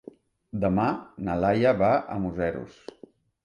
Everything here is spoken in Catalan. Demà na Laia va a Museros.